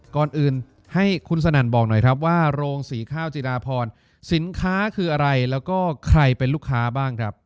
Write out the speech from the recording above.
ก่อนอื่นให้คุณสนั่นบอกหน่อยครับว่าโรงสีข้าวจีดาพรสินค้าคืออะไรแล้วก็ใครเป็นลูกค้าบ้างครับ